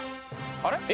あれ？